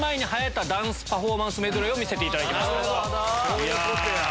そういうことや。